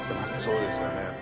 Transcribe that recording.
そうですよね。